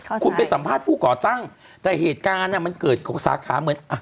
คุณไปสัมภาษณ์ผู้ก่อตั้งแต่เหตุการณ์อ่ะมันเกิดของสาขาเหมือนอ่ะ